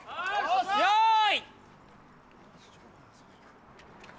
よい。